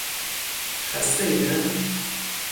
خستهای، نه؟